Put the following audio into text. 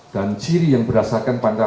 dan ciri yang berdasarkan pandangan